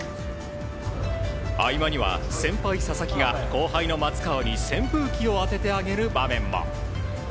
合間には先輩・佐々木が後輩の松川に扇風機を当ててあげる場面も。